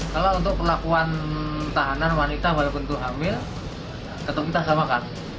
kalau untuk perlakuan tahanan wanita walaupun itu hamil tetap kita samakan